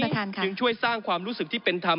จึงช่วยสร้างความรู้สึกที่เป็นธรรม